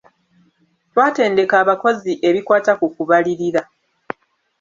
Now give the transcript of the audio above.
Twatendeka abakozi ebikwata ku kubalirira.